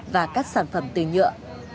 và các sản phẩm tư nhựa